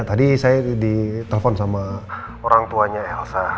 tadi saya ditelepon sama orang tuanya elsa